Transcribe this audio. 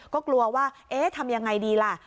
ก็กลัวว่าเอ๊ะทำยังไงดีล่ะ